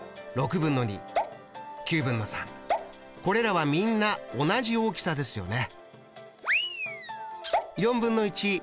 これらはみんな同じ大きさですよね。